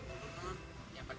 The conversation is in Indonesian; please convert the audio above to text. oh iya kak